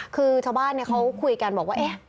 คือชาวบ้านในเขาก็คุยกันว่า